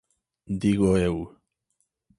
Digo eu.